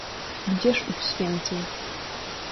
Gdzież ów święty?